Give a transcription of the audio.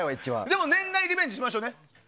でも年内リベンジしましょうね。